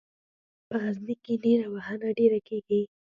په غزني کې نیره وهنه ډېره کیږي.